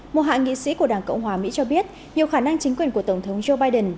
một hạ nghị sĩ của đảng cộng hòa mỹ cho biết nhiều khả năng chính quyền của tổng thống joe biden